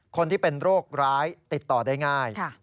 คนที่เป็นโรคร้ายติดต่อได้ง่าย